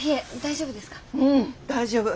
うん大丈夫。